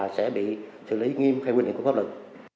sẽ bị xử lý nghiêm theo quy định của pháp luật